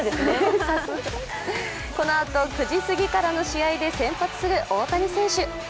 このあと、９時すぎからの試合で先発する大谷選手。